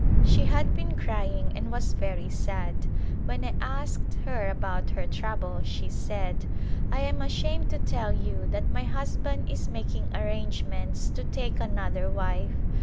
She had been crying and was very sad. When I asked her about her trouble she said, " I am ashamed to tell you that my husband is making arrangements to take another wife.